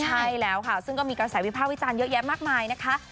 ใช่แล้วค่ะซึ่งก็มีกระแสวิภาควิจารณ์เยอะแยะมากมายนะคะ